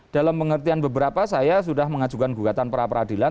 dalam pengertian beberapa saya sudah mengajukan gugatan perapradilan